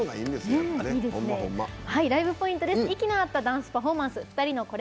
ライブポイントです。